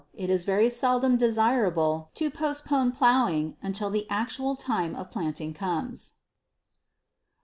It is very seldom desirable to postpone plowing until the actual time of planting comes.